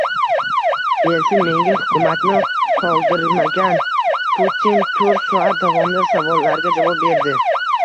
«Yelsin menga hukumatni qoldirmagan» - Putinto'rtsoat davomida savollarga javob berdi